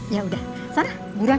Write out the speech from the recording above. yaudah sarah burang